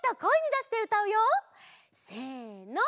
せの。